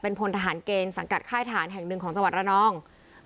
เป็นพลทหารเกณฑ์สังกัดค่ายทานแห่งหนึ่งของสวรรณอ่อนองค์